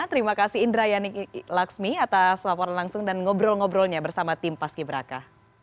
terima kasih indrayani laksmi atas laporan langsung dan ngobrol ngobrolnya bersama tim paski beraka